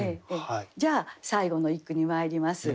じゃあ最後の一句にまいります。